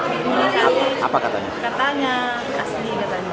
sudah berapa kali bu di imunisasi